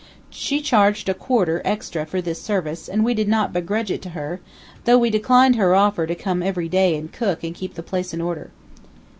She charged a quarter, extra, for this service, and we did not begrudge it to her, though we declined her offer to come every day and cook and keep the place in order.